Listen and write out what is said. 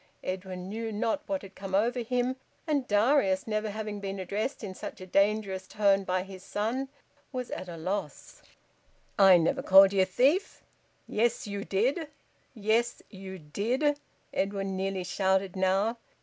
Edwin knew not what had come over him, and Darius, never having been addressed in such a dangerous tone by his son, was at a loss. "I never called ye a thief." "Yes, you did! Yes, you did!" Edwin nearly shouted now.